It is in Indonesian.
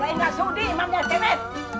saya gak sudi imamnya kemet